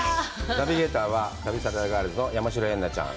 ナビゲーターは旅サラダガールズの山代エンナちゃん。